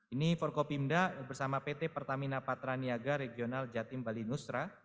ini forkopimda bersama pt pertamina patraniaga regional jatim bali nusra